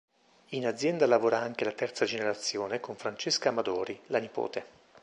In azienda lavora anche la terza generazione con Francesca Amadori, la nipote.